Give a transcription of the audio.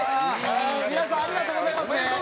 皆さんありがとうございますね。